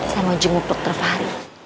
saya mau jenguk dokter fahri